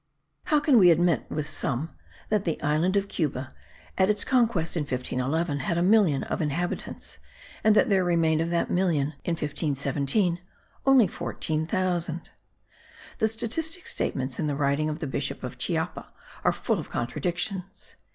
How can we admit, with some, that the island of Cuba, at its conquest in 1511, had a million of inhabitants, and that there remained of that million, in 1517, only 14,000! The statistic statements in the writings of the bishop of Chiapa are full of contradictions.